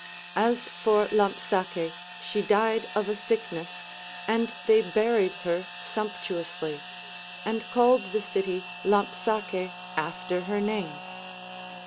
As for Lampsace, she died of a sickness, and they bui'ied her sumptuously, and called the city Lampsace after her name.